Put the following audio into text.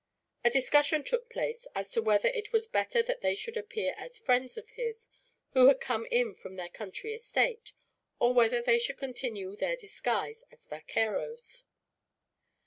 A discussion took place as to whether it was better that they should appear as friends of his, who had come in from their country estate; or whether they should continue their disguise as vaqueros.